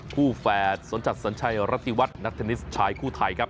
แฝดสนจัดสัญชัยรัฐธิวัฒน์นัทเทนนิสชายคู่ไทยครับ